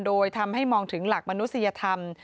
โดยทำให้มองถึงหลักมนุษยธรรม